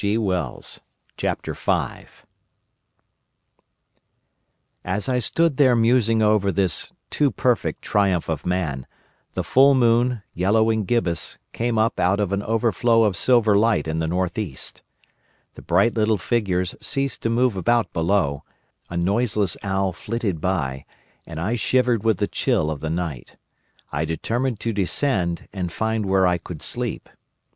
A Sudden Shock "As I stood there musing over this too perfect triumph of man, the full moon, yellow and gibbous, came up out of an overflow of silver light in the north east. The bright little figures ceased to move about below, a noiseless owl flitted by, and I shivered with the chill of the night. I determined to descend and find where I could sleep.